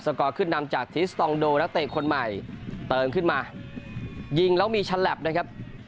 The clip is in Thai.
กอร์ขึ้นนำจากทิสตองโดนักเตะคนใหม่เติมขึ้นมายิงแล้วมีฉลับนะครับ